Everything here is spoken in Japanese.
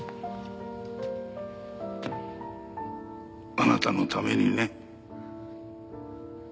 あなたのためにね。